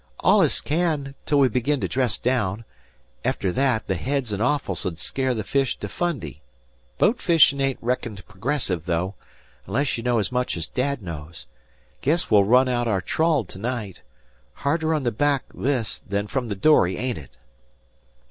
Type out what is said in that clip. "Allus can, till we begin to dress daown. Efter thet, the heads and offals 'u'd scare the fish to Fundy. Boatfishin' ain't reckoned progressive, though, unless ye know as much as dad knows. Guess we'll run aout aour trawl to night. Harder on the back, this, than frum the dory, ain't it?"